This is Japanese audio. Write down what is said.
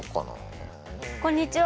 こんにちは。